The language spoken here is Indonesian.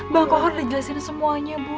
bang kohar udah jelasin semuanya bu